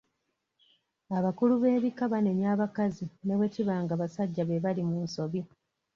Abakulu b'ebika banenya abakazi ne bwe kiba nga abasajja be bali mu nsobi.